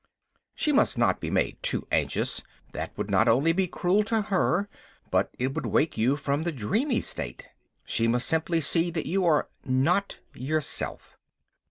She must not be made too anxious. That would not only be cruel to her, but it would wake you from the dreamy state. She must simply see that you are "not yourself."